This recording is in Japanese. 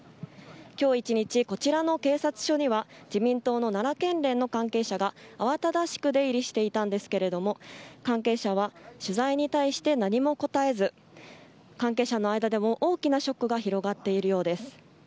今日１日、こちらの警察署には自民党の奈良県連の関係者が慌ただしく出入りしていましたが関係者は取材に対して何も答えず関係者の間でも大きなショックが広がっているようです。